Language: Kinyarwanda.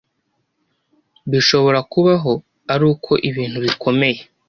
bishobora kubaho ari uko ibintu bikomeye